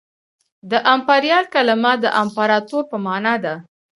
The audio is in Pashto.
د امپریال کلمه د امپراطور په مانا ده